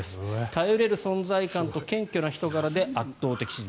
頼れる存在感と謙虚な人柄で圧倒的支持。